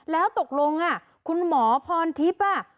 แล้วตกลงคุณหมอพรทิพย์